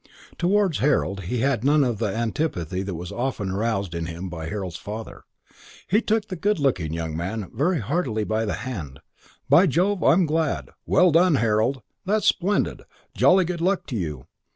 Towards Harold he had none of the antipathy that was often aroused in him by Harold's father. He shook the good looking young man very heartily by the hand. "By Jove, I'm glad. Well done, Harold. That's splendid. Jolly good luck to you."